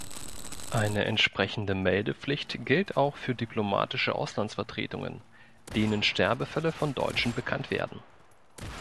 Eine entsprechende Meldepflicht gilt auch für diplomatische Auslandsvertretungen, denen Sterbefälle von Deutschen bekannt werden.